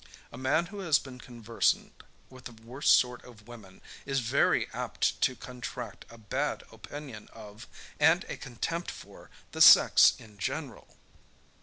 A man who has been conversant with the worst sort of women, is very apt to contract a bad opinion of, and a contempt for, the sex in general.